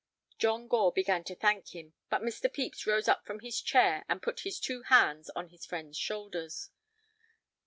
John Gore began to thank him, but Mr. Pepys rose up from his chair and put his two hands on his friend's shoulders.